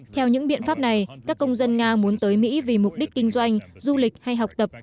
theo những biện pháp này các công dân nga muốn tới mỹ vì mục đích kinh doanh du lịch hay học tập